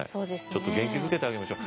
ちょっと元気づけてあげましょう。